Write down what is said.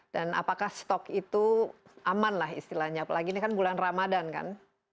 dan apakah stok itu aman lah istilahnya apalagi ini kan bulan ramadhan kan